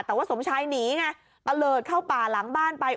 แต่ว่าสมชายหนีไงตะเลิศเข้าป่าหลังบ้านไป